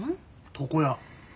床屋！？